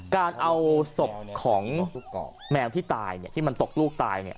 การเอาศพของแมวที่ตายที่มันตกลูกตายเนี่ย